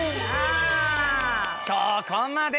そこまで。